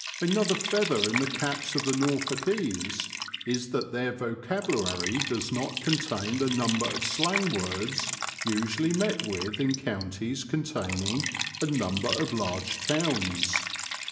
Another feather in the caps of the Norfolkese, is that their vocabulary does not contain the number of slang words usually met with in counties containing a number of large towns.